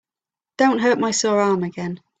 Don't hurt my sore arm again.